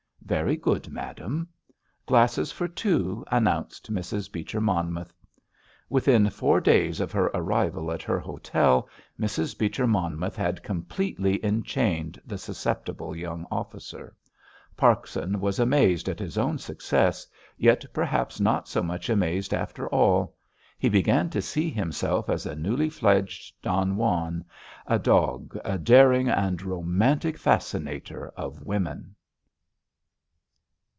"Very good, madam." "Glasses for two," announced Mrs. Beecher Monmouth. Within four days of her arrival at her hotel Mrs. Beecher Monmouth had completely enchained the susceptible young officer. Parkson was amazed at his own success, yet perhaps not so much amazed after all. He began to see himself as a newly fledged Don Juan, a dog, a daring and romantic fascinator of women.